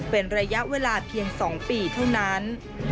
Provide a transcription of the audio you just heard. เป็นระยะเวลาเพียง๒ปีเท่านั้น